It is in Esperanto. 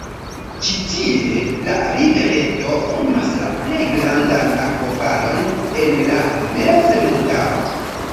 Ĉi-tie la rivereto formas la plej grandan akvofalon en la mezmontaro.